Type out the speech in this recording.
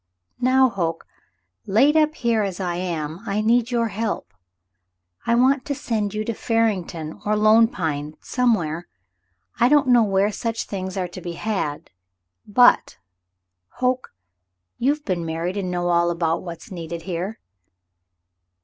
Now, Hoke, laid up here as I am, I need your help. I want to send you to Farington or Lone Pine — somewhere — I don't know where such things are to be had — but, Hoke, you've been married and know all about what's needed here."